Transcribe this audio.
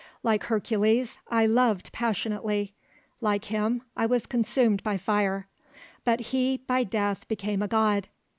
Like Hercules, I loved passionately; Like him, I was consumed by fire; But he by death became a god.